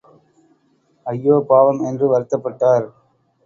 ஐயோபாவம் என்று வருத்தப்பட்டார்.